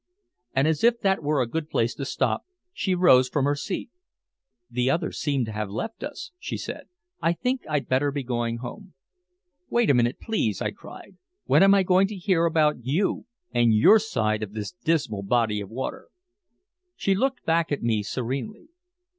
And as if that were a good place to stop, she rose from her seat. "The others seem to have left us," she said. "I think I'd better be going home." "Wait a minute, please," I cried. "When am I going to hear about you and your side of this dismal body of water?" She looked back at me serenely.